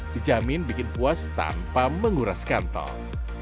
dijamin bikin puas tanpa menguras kantong